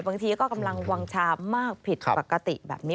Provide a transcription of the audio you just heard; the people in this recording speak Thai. บางทีก็กำลังวางชามากผิดปกติแบบนี้